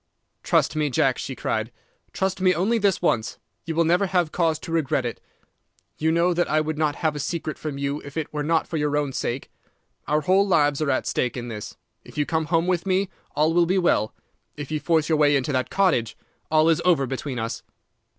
"'Trust me, Jack!' she cried. 'Trust me only this once. You will never have cause to regret it. You know that I would not have a secret from you if it were not for your own sake. Our whole lives are at stake in this. If you come home with me, all will be well. If you force your way into that cottage, all is over between us.